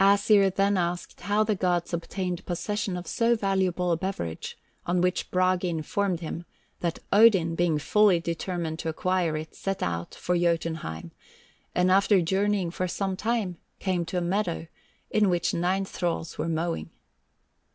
Æsir then asked how the gods obtained possession of so valuable a beverage, on which Bragi informed him that Odin being fully determined to acquire it, set out for Jotunheim, and after journeying for some time, came to a meadow in which nine thralls were mowing.